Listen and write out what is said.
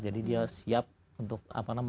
jadi dia siap untuk apa namanya